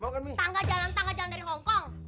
tangga jalan tangga jalan dari hongkong